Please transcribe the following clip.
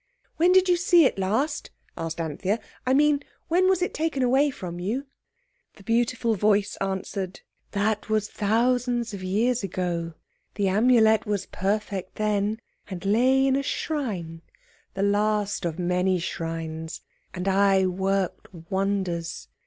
"When did you see it last?" asked Anthea—"I mean, when was it taken away from you?" The beautiful voice answered— "That was thousands of years ago. The Amulet was perfect then, and lay in a shrine, the last of many shrines, and I worked wonders.